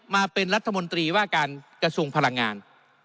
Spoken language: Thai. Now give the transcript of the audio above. มาเป็นรัฐมนตรีว่าการกระทรวงพลังงาน